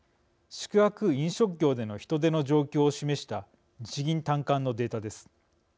宿泊・飲食業での人手の状況を示した日銀短観のデータです。